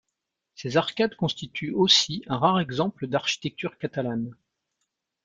Ses arcades constituent aussi un rare exemple d'architecture catalane.